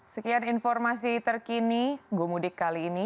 sekian informasi terkini gomudik kali ini